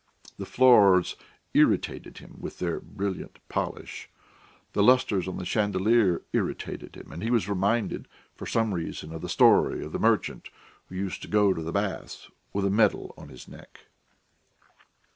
The floors irritated him with their brilliant polish, the lustres on the chandelier irritated him, and he was reminded for some reason of the story of the merchant who used to go to the baths with a medal on his neck....